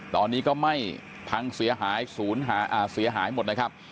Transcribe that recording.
ตอนนี้ก็ไหม้พังเสียหายศูนย์เสียหายหมดนะครับ